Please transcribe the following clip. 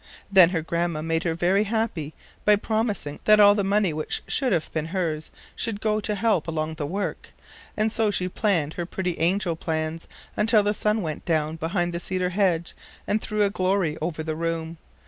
Then her Grandpa made her very happy by promising that all the money which should have been hers should go to help along the work, and so she planned her pretty angel plans until the sun went down behind the cedar hedge and threw a glory over the room.